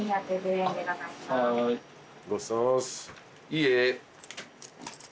いいえ。